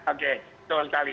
oke itu sekali